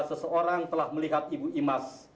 seseorang telah melihat ibu imas